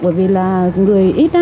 bởi vì là người ít